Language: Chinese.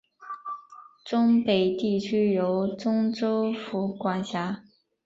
忠北地区由忠州府管辖。